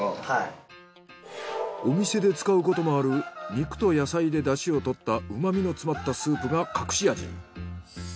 お店で使うこともある肉と野菜で出汁をとった旨みの詰まったスープが隠し味。